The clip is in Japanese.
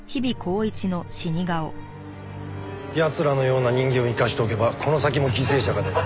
奴らのような人間を生かしておけばこの先も犠牲者が出る。